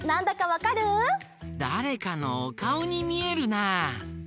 だれかのおかおにみえるな！